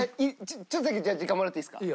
ちょっとだけじゃあ時間もらっていいですか？